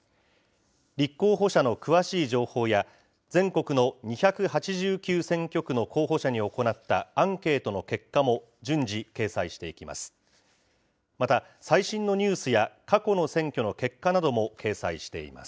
立候補者の詳しい情報や全国の２８９選挙区の候補者に行ったアンケートの結果も順次、掲載していきます。